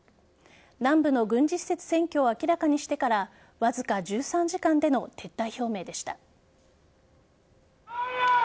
南部の軍事施設占拠を明らかにしてからわずか１３時間での撤退表明でした。